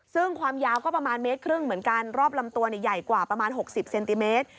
ซึ่งความยาวก็ประมาณเมตรครึ่งเหมือนกันรอบลำตัวใหญ่กว่าประมาณ๖๐เซนติเมตร